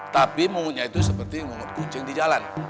tapi mungutnya itu seperti mungut kucing di jalan